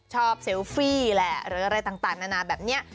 เซลฟี่แหละหรืออะไรต่างนานาแบบนี้